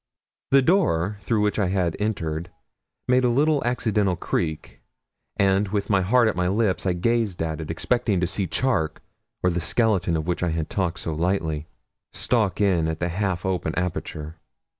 The door through which I had entered made a little accidental creak, and, with my heart at my lips, I gazed at it, expecting to see Charke, or the skeleton of which I had talked so lightly, stalk in at the half open aperture.